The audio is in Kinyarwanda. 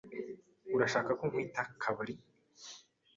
Urashaka ko nkwita kabari?